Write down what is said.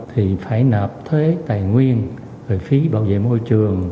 thì phải nợ thuế tài nguyên về phí bảo vệ môi trường